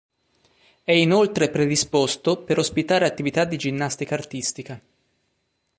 È inoltre predisposto per ospitare attività di ginnastica artistica.